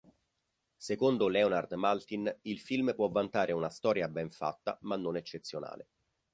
Secondo Leonard Maltin il film può vantare "una storia ben fatta ma non eccezionale".